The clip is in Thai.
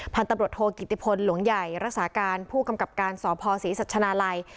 พันธุ์ตำรวจโทกิติพลหลวงใหญ่รักษาการผู้กำกับการสพศรีสัชนาลัย